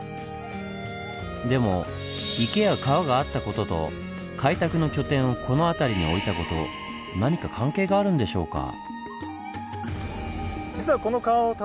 でも池や川があった事と開拓の拠点をこの辺りに置いた事何か関係があるんでしょうか？